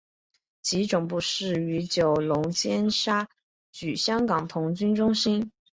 其总部设于九龙尖沙咀香港童军中心。